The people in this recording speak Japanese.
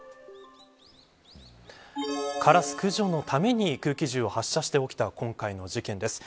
カラス駆除のために空気銃を発射して起きた今回の事件です。